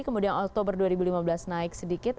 kemudian oktober dua ribu lima belas naik sedikit